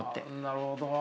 なるほど。